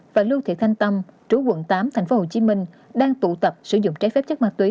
và lưu thị thanh tâm chú quận tám thành phố hồ chí minh đang tụ tập sử dụng trái phép chất ma túy